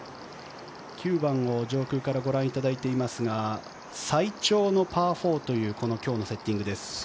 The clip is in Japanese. ９番を上空からご覧いただいていますが最長のパー４という今日のセッティングです。